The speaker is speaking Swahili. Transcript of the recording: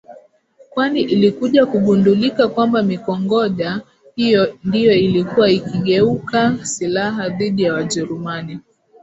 kwani ilikuja kugundulika kwamba mikongoja hiyo ndiyo ilikuwa ikigeuka silaha dhidi ya Wajerumani